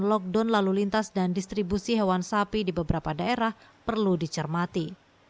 lockdown lalu lintas dan distribusi hewan sapi di beberapa daerah perlu dicermati